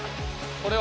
これは。